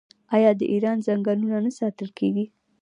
آیا د ایران ځنګلونه نه ساتل کیږي؟